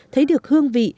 thấy được hương vị